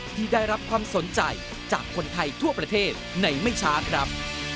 ที่ได้รับความสนใจจากคนไทยทั่วประเทศในไม่ช้าครับ